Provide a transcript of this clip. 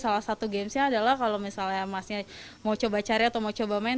salah satu gamesnya adalah kalau misalnya masnya mau coba cari atau mau coba main